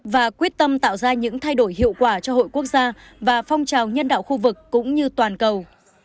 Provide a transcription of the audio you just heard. và quyết tâm tạo ra những thay đổi hiệu quả cho hội quốc gia và phong trào nhân đạo khu vực cũng như toàn cầu